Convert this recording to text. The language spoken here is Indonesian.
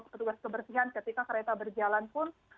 petugas kebersihan ketika kereta berjalan pun